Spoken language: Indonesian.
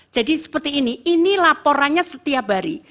jadi seperti ini ini laporannya setiap hari